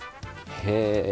へえ！